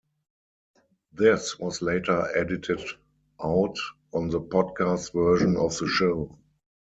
This was later edited out on the Podcast version of the show.